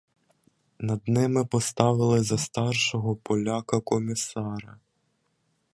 Над ними поставили за старшого поляка комісара.